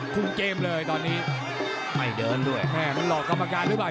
คุมเกมเลยตอนนี้ไม่เดินด้วยแม่มันหลอกกรรมการหรือเปล่า